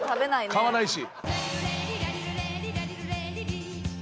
買わないし。